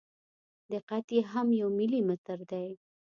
دقت یې هم یو ملي متر دی.